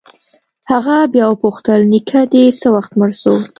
هغه بيا وپوښتل نيکه دې څه وخت مړ سو.